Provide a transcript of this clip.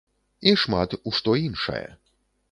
І шмат у што іншае.